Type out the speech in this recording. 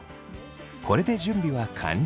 これで準備は完了。